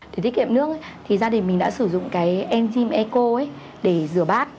để tiết kiệm nước thì gia đình mình đã sử dụng cái nzym eco để rửa bát